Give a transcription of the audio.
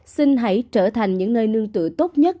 xin hãy trở thành những nơi nương tự tốt nhất